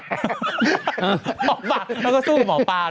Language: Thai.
ก็บอกลงพลคนเยอะจะไปพระแตนจะมาทำไมอีกละ